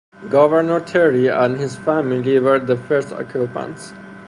Governor Terry and his family were the first occupants.